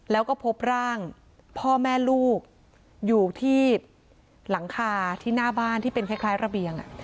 แล้วก็พบร่างพ่อแม่ลูกอยู่ที่หลังคาที่หน้าบ้านที่เป็นคล้ายระเบียง